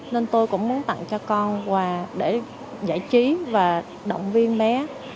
nên tôi cũng muốn tặng cho con quà để giải trí và động viên bé